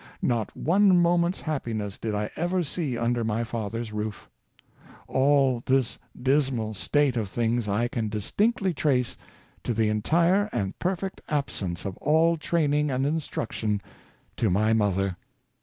Not one moment's happiness did I ever see under my father's roof All this dismal state of things I can distinctly trace to the entire and perfect absence of all training and instruction to my mother.